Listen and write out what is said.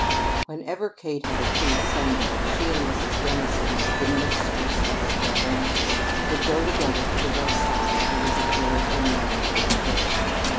XIX Whenever Kate had a free Sunday, she and Mrs. Dennison, the mistress of the Caravansary, would go together to the West Side to visit George and Marna Fitzgerald.